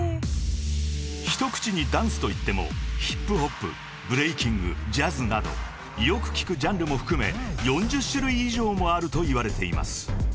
［一口にダンスと言ってもヒップホップブレイキングジャズなどよく聞くジャンルも含め４０種類以上もあるといわれています］